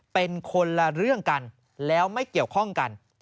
เป็นคนละเรื่องกันแล้วไม่เกี่ยวข้องกัน